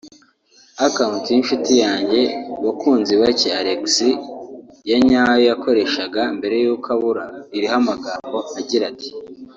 Account y’inshuti yanjye Bakunzibake Alexis ya nyayo yakoreshaga mbere y’uko abura iriho amagambo agira ati